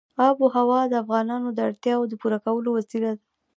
آب وهوا د افغانانو د اړتیاوو د پوره کولو وسیله ده.